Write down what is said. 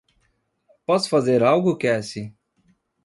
Posso fazer algo Cassie?